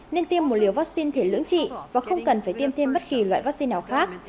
nên tiêm một liều vaccine thể lưỡng trị và không cần phải tiêm thêm bất kỳ loại vaccine nào khác